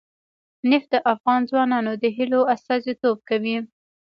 نفت د افغان ځوانانو د هیلو استازیتوب کوي.